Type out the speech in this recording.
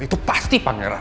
itu pasti pangeran